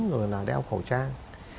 rồi là đeo khẩu trang